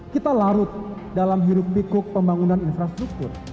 kita larut dalam hidup tikuk pembangunan infrastruktur